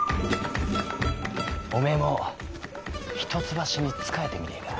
おめえも一橋に仕えてみねぇか？